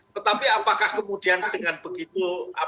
tetapi apakah kemudian dengan begitu